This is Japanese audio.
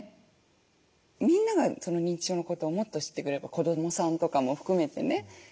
みんなが認知症のことをもっと知ってくれれば子どもさんとかも含めてね